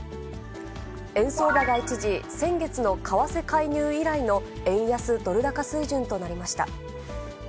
円相場が一時、先月の為替介入以来の円安ドル高水準となりました。